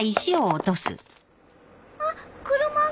あっ車が。